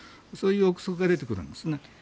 そういう憶測が出てくるんですね。